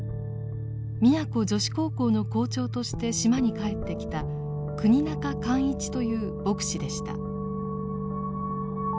宮古女子高校の校長として島に帰ってきた国仲寛一という牧師でした。